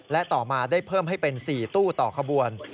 และต่อมาได้เพิ่มให้เป็น๔ตู้ต่อขบวน